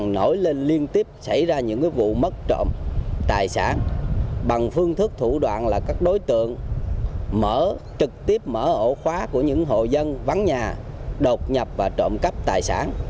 nổi lên liên tiếp xảy ra những vụ mất trộm tài sản bằng phương thức thủ đoạn là các đối tượng mở trực tiếp mở ổ khóa của những hộ dân vắng nhà đột nhập và trộm cắp tài sản